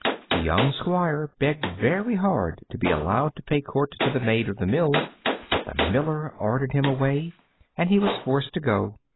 The young Squire begged very hard to be allowed to pay court to the Maid of the Mill, but the miller ordered him away, and he was forced to go.